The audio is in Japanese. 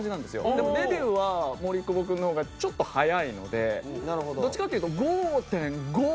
でもデビューは森久保君の方がちょっと早いのでどっちかっていうと５．５ぐらいだと思います。